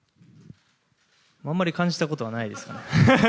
あまり感じたことはないですかね。